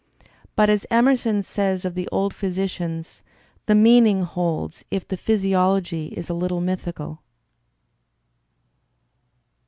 But as Emerson says of the old physicians, the "meaning holds if the physiology is a little mythical.